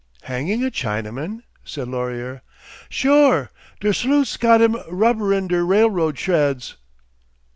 "Hanging a Chinaman?" said Laurier. "Sure. Der sleuths got him rubberin' der rail road sheds!"